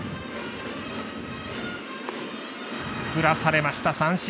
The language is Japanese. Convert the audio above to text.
振らされました、三振。